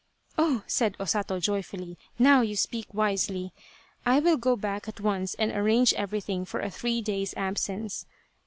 " Oh," said O Sato, joyfully, " now you speak wisely. I will go back at once and arrange everything for a three days' absence.